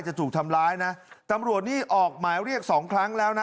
จะถูกทำร้ายนะตำรวจนี่ออกหมายเรียกสองครั้งแล้วนะ